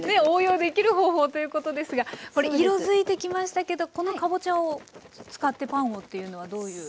応用できる方法ということですが色づいてきましたけどこのかぼちゃを使ってパンをっていうのはどういう。